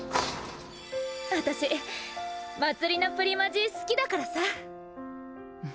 私まつりのプリマジ好きだからさ！